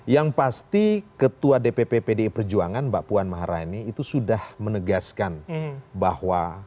yang pasti ketua dpp pdi perjuangan mbak puan maharani itu sudah menegaskan bahwa